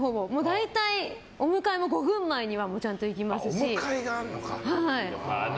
大体、お迎えも５分前にはちゃんと行きますし。